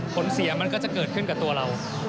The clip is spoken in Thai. ผลเสียมันก็จะเกิดขึ้นกับตัวเรา